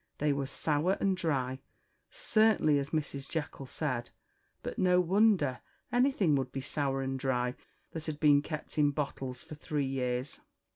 They were sour and dry, certainly, as Mrs. Jekyll said; but no wonder, anything would be sour and dry that had been kept in bottles for three years."